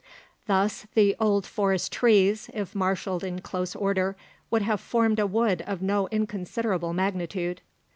Thus the old forest trees, if marshalled in close order, would have formed a wood of no inconsiderable magnitude.